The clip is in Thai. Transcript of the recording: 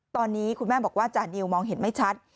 ตอนนี้คุณแม่บอกว่าจานิวมองเห็นไม่ชัด